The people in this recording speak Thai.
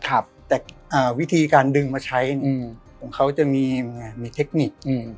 แต่วิธีการดึงมาใช้ของเขาจะมีเทคนิค